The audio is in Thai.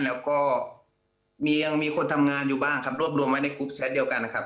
แล้วก็ยังมีคนทำงานอยู่บ้างครับรวบรวมไว้ในกรุ๊ปแชทเดียวกันนะครับ